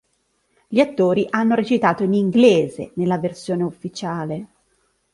Gli attori hanno recitato in inglese nella versione ufficiale.